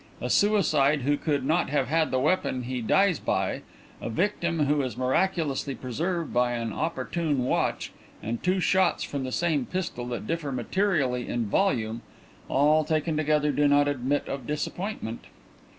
"A suicide who could not have had the weapon he dies by, a victim who is miraculously preserved by an opportune watch, and two shots from the same pistol that differ materially in volume, all taken together do not admit of disappointment."